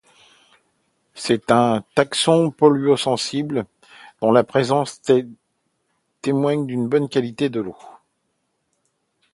C'est un taxon polluo-sensible dont la présence témoigne d'une bonne qualité de l'eau.